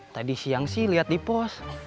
tadi siang sih lihat di pos